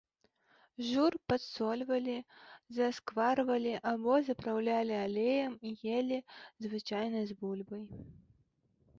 Жур падсольвалі, заскварвалі або запраўлялі алеем і елі звычайна з бульбай.